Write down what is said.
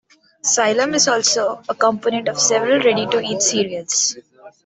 Psyllium is also a component of several ready-to-eat cereals.